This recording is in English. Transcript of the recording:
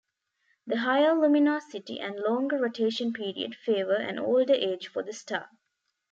The higher luminosity and longer rotation period favour an older age for the star.